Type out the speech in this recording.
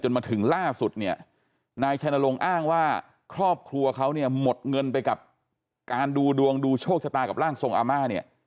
มาถึงล่าสุดเนี่ยนายชัยนรงค์อ้างว่าครอบครัวเขาเนี่ยหมดเงินไปกับการดูดวงดูโชคชะตากับร่างทรงอาม่าเนี่ย